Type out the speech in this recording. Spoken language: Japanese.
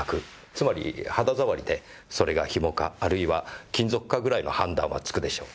つまり肌触りでそれが紐かあるいは金属かぐらいの判断はつくでしょう。